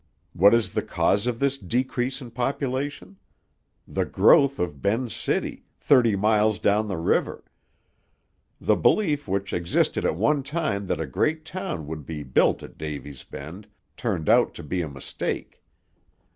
What is the cause of this decrease in population? The growth of Ben's City, thirty miles down the river. The belief which existed at one time that a great town would be built at Davy's Bend turned out to be a mistake.